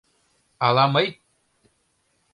— Ала мый!